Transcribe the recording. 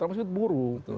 terutama itu buru